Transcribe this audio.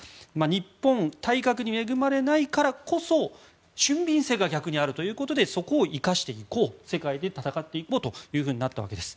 日本、体格に恵まれないからこそ俊敏性が逆にあるということでそこを生かしていこう世界で戦っていこうというふうになったわけです。